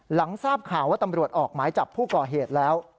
หลังทราบข่าวว่าตำรวจออกหมายจับผู้ก่อเหตุแล้ว